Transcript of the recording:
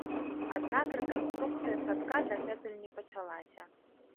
Аднак рэканструкцыя садка дагэтуль не пачалася.